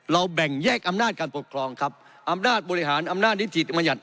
แบ่งแยกอำนาจการปกครองครับอำนาจบริหารอำนาจนิติมัญญัติ